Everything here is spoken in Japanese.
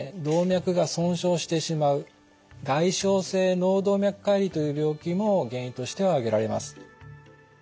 動脈が損傷してしまう外傷性脳動脈解離という病気も原因としては挙げられます。